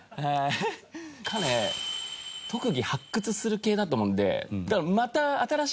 彼特技発掘する系だと思うんで。